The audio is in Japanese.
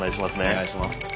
お願いします。